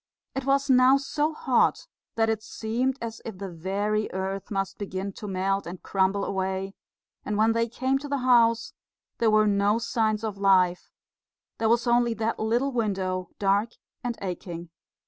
It was now so hot that it seemed as if the very earth must begin to melt and crumble away; and when they came to the house there were no signs of life there was only that little window, dark and aching.